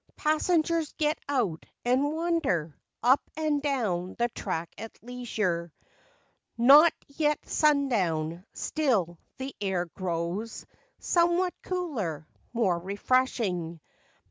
Passengers get out and wander Up and down the track at leisure. Not yet sun down; still the air grows Somewhat cooler, more refreshing.